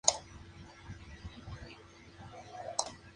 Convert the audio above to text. Fue hallado en la Formación Nemegt, en Mongolia.